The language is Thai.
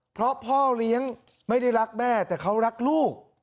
เพราะพ่อเลี้ยงไม่ได้รักแม่แต่เขารักลูก